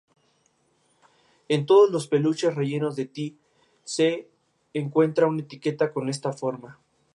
En todos los peluches rellenos de Ty se encuentra una etiqueta con esta forma.